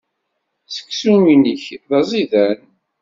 Seksu-nnek d aẓidan.